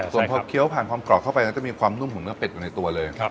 ส่วนพอเคี้ยวผ่านความกรอบเข้าไปมันจะมีความนุ่มของเนื้อเป็ดอยู่ในตัวเลย